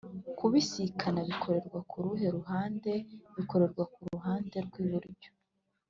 kubisikana bikorerwa kuruhe ruhande?bikorerwa kuruhande rw’iburyo